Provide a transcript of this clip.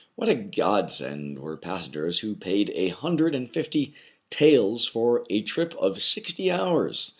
What a godsend were passengers who paid a hundred and fifty taels for a trip of sixty hours